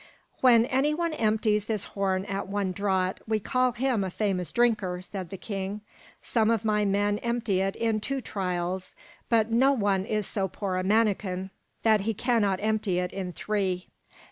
"When any one empties this horn at one draught, we call him a famous drinker," said the king. "Some of my men empty it in two trials; but no one is so poor a manikin that he cannot empty it in three.